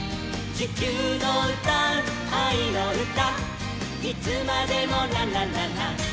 「地球のうたうあいのうた」